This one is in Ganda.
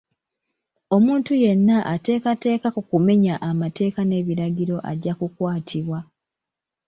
Omuntu yenna ateekateka ku kumenya amateeka n'ebiragiro ajja kukwatibwa.